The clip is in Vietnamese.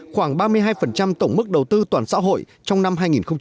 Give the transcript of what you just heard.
khoảng ba mươi hai tổng mức đầu tư toàn xã hội trong năm hai nghìn một mươi chín